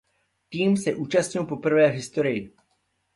Tým se účastnil poprvé v historii.